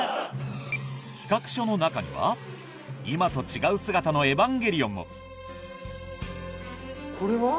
企画書の中には今と違う姿のエヴァンゲリオンもこれは？